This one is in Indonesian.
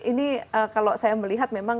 ini kalau saya melihat memang